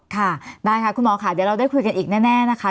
ค่ะได้ค่ะคุณหมอค่ะเดี๋ยวเราได้คุยกันอีกแน่นะคะ